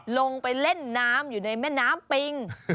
ลงไปเล่นน้ำอยู่ในแม่น้ำปิง